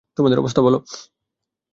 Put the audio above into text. তোমাদের অবস্থা বলো?